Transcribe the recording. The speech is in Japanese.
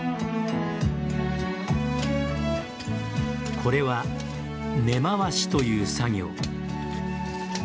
これは「根まわし」という作業。